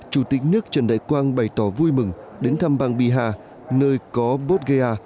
chủ tịch nước trần đại quang bày tỏ vui mừng đến thăm bang bihar nơi có bodh gaya